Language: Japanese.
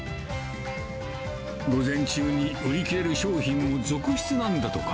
午前中に売り切れる商品も続出なんだとか。